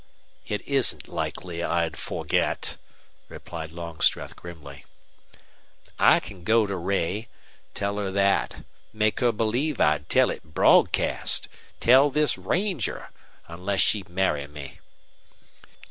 "It isn't likely I'd forget," replied Longstreth, grimly. "I can go to Ray, tell her that, make her believe I'd tell it broadcast tell this ranger unless she'd marry me."